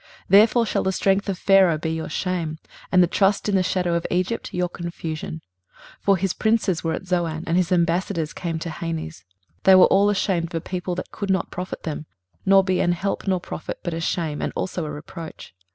23:030:003 Therefore shall the strength of Pharaoh be your shame, and the trust in the shadow of Egypt your confusion. 23:030:004 For his princes were at Zoan, and his ambassadors came to Hanes. 23:030:005 They were all ashamed of a people that could not profit them, nor be an help nor profit, but a shame, and also a reproach.